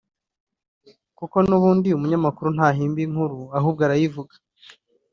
kuko n’ubundi umunyamakuru ntahimba inkuru ahubwo arayivuga